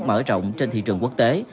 mở rộng trên thị trường quốc tế